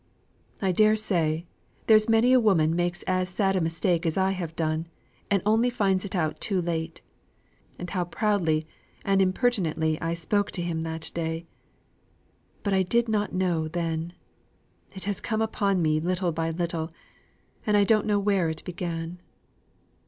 "I dare say there's many a woman makes as sad a mistake as I have done, and only finds it out too late. And how proudly and impertinently I spoke to him that day! But I did not know then. It has come upon me little by little, and I don't know where it began.